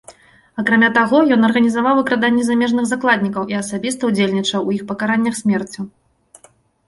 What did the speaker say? Акрамя таго, ён арганізаваў выкраданні замежных закладнікаў і асабіста ўдзельнічаў у іх пакараннях смерцю.